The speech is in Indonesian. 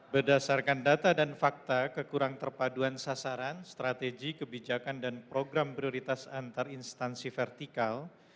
berdasarkan data dan fakta kekurang terpaduan sasaran strategi kebijakan dan program prioritas antar instansi vertikal